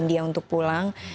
dia untuk pulang